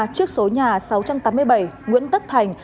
trước số nhà sáu trăm tám mươi bảy nguyễn tất thành